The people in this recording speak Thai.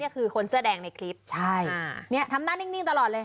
ก็คือคนเสื้อแดงในคลิปใช่เนี่ยทำหน้านิ่งตลอดเลย